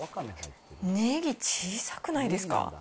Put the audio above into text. ねぎ小さくないですか？